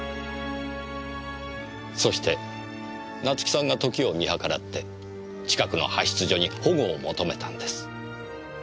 そして夏樹さんが時を見計らって近くの派出所に保護を求めたんです。